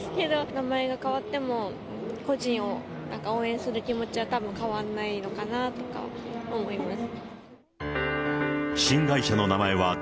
名前が変わっても、個人を応援する気持ちはたぶん変わんないのかなとか思います。